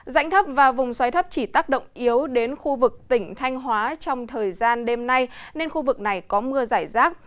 rãnh thấp và vùng xoáy thấp chỉ tác động yếu đến khu vực tỉnh thanh hóa trong thời gian đêm nay nên khu vực này có mưa giải rác